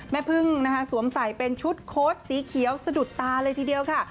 แม่พึ่งสวมใส่เป็นชุดโค้ดสีเขียวสะดุดตา